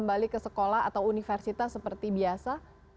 atau bisa ke sekolah atau universitas seperti biasa